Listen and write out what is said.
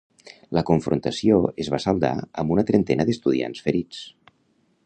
La confrontació es va saldar amb una trentena d'estudiants ferits.